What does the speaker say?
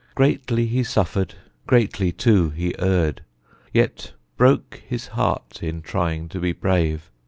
Greatly he suffered; greatly, too, he erred; Yet broke his heart in trying to be brave.